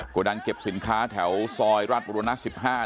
โกดังเก็บสินค้าแถวซอยราชบุรณะ๑๕นะครับ